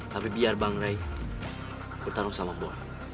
tapi biar bang ray bertarung sama gue